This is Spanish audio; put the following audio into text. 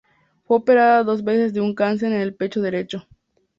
Fue operada dos veces de un cáncer en el pecho derecho.